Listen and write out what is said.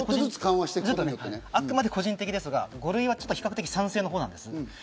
あくまで個人的ですが、５類はちょっと比較的賛成の方です。